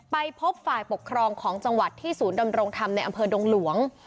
ไปพบฝ่ายปกครองของจังหวัดที่ศูนย์ดำรงธรรมในอำเภอดงหลวง